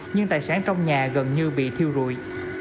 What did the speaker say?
nhưng tài sản trong nhà gần như bị thiêu rụi